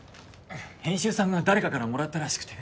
編集さんが誰かからもらったらしくて。